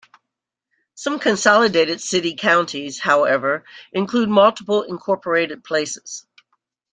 Some consolidated city-counties, however, include multiple incorporated places.